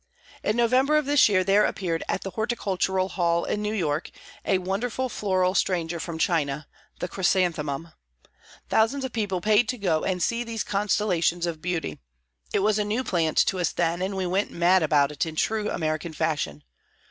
In November of this year, there appeared, at the Horticultural Hall in New York, a wonderful floral stranger from China the chrysanthemum. Thousands of people paid to go and see these constellations of beauty. It was a new plant to us then, and we went mad about it in true American fashion.